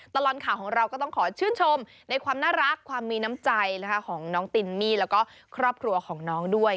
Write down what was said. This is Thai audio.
ตลอดข่าวของเราก็ต้องขอชื่นชมในความน่ารักความมีน้ำใจของน้องตินมี่แล้วก็ครอบครัวของน้องด้วย